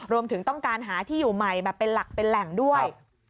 รวมถึงต้องการหาที่อยู่ใหม่แบบเป็นหลักเป็นแหล่งด้วย